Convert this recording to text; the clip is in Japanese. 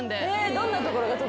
どんなところが特に？